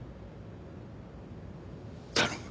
頼む